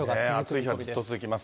暑い日がずっと続きます。